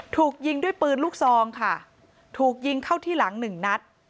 ถูกยิงด้วยปืนลูกซองค่ะถูกยิงเข้าที่หลังหนึ่งนัด